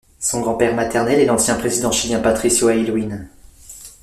Son grand-père maternel est l'ancien président chilien Patricio Aylwin.